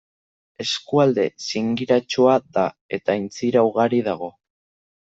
Eskualde zingiratsua da eta aintzira ugari dago.